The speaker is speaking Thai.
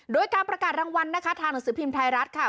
โดยการประกาศรางวัลนะคะทางหนังสือพิมพ์ไทยรัฐค่ะ